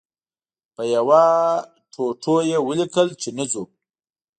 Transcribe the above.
په یوه ټوټو یې ولیکل چې نه ځو.